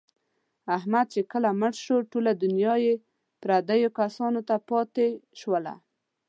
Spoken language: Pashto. احمد چې کله مړ شو، ټوله دنیا یې پردیو کسانو ته پاتې شوله.